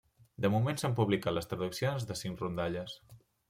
De moment s’han publicat les traduccions de cinc rondalles.